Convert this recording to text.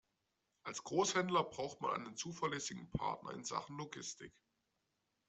Als Großhändler braucht man einen zuverlässigen Partner in Sachen Logistik.